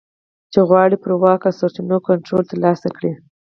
چې غواړي پر واک او سرچینو کنټرول ترلاسه کړي